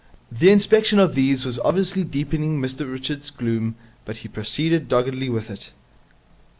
The inspection of these was obviously deepening Mr Richards' gloom, but he proceeded doggedly with it.